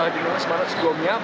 di luar sebarang sebuah umurnya